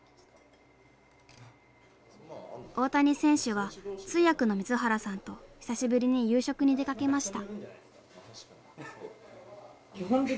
大谷選手は通訳の水原さんと久しぶりに夕食に出かけました。